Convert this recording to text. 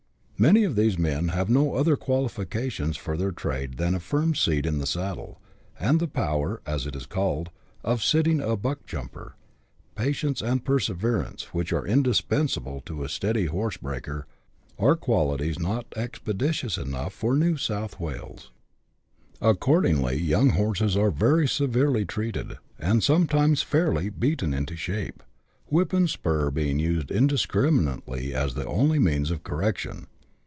Many of these meu have no other qualifications for their trade than a firm seat in the saddle, and the power, as it is called, of " sitting a buck jumper;" patience and perseverance, which are indispensable to a steady horse breaker, are qualities not expeditious enough for New South Wales. Accordingly young horses are very severely treated, and sometimes fairly " beaten into shape," whip and spur being used indiscriminately as the only means of correction.